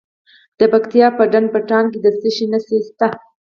د پکتیا په ډنډ پټان کې د څه شي نښې دي؟